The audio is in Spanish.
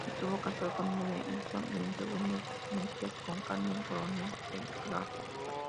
Estuvo casado con María Ayllón, y en segundas nupcias con Carmen Coronel Zegarra.